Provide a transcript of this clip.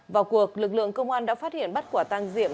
vào cuộc lực lượng công an đã phát hiện bắt quả tăng diệm